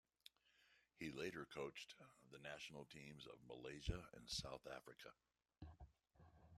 He later coached the national teams of Malaysia and South Africa.